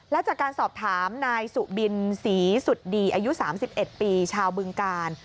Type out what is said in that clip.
และจากการสอบถามนายสุบินศรีสุดดีอายุ๓๑ปีชาวบึงกาล